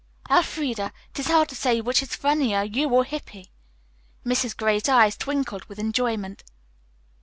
"Elfreda, it is hard to say which is funnier, you or Hippy," Mrs. Gray's eyes twinkled with enjoyment.